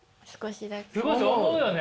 少しだけ。